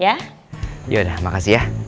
yaudah makasih ya